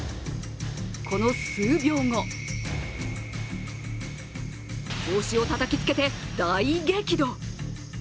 この数秒後、帽子をたたきつけて大激怒。